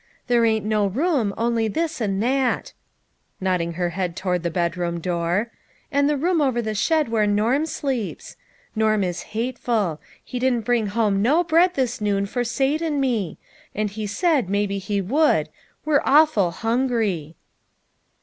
There ain't no room only this and that," nodding her head toward the bedroom door, " and the room over the shed where Norm sleeps. Norm is hateful. He didn't brins: home no bread this noon for o Sate and me ; and he said maybe he would f we're awful hungry."